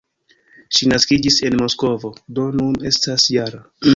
Ŝi naskiĝis en Moskvo, do nun estas -jara.